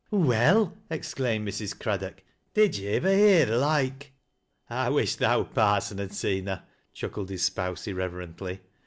"Well," exclaimed Mrs. Craddock, " did yo' ivver heai th' loikel" " I wish th' owd parson had seed her," chuckled his spouse irreverently.